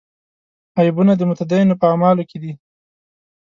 عیبونه د متدینو په اعمالو کې دي.